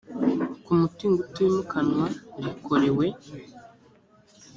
ku mutungo utimukanwa rikorewe